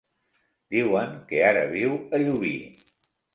Diuen que ara viu a Llubí.